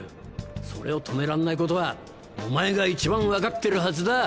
それを止められないことはお前が一番分かってるはずだ。